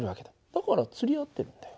だから釣り合ってるんだよ。